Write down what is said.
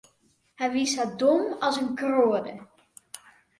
Hy wie sa dom as in kroade.